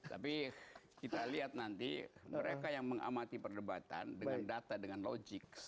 tapi kita lihat nanti mereka yang mengamati perdebatan dengan data dengan logik